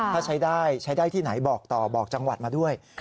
ถ้าใช้ได้ใช้ได้ที่ไหนบอกต่อบอกจังหวัดมาด้วย